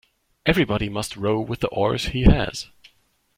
Everybody must row with the oars he has.